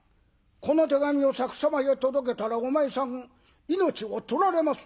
この手紙を先様へ届けたらお前さん命を取られます」。